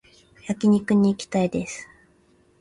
焼肉に行きたいです